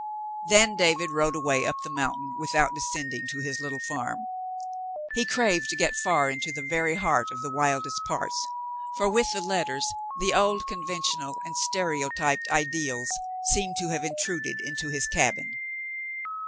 Then David rode away up the mountain without descending to his little farm. He craved to get far into 166 The Mountain Girl the very heart of the wildest parts, for with the letters the old conventional and stereotyped ideals seemed to have intruded into his cabin.